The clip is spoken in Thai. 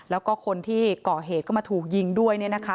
แล้วก็คนที่ก่อเหตุก็มาถูกยิงด้วย